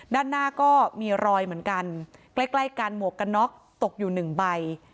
ด้านหน้าก็มีรอยเหมือนกันใกล้ใกล้กันหมวกกันน็อกตกอยู่หนึ่งใบ